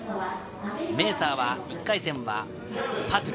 メーサーは１回戦は、パトゥル。